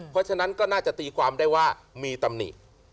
เพราะฉะนั้นก็น่าจะตีความได้ว่ามีตำหนิ